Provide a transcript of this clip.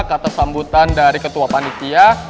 kata sambutan dari ketua panitia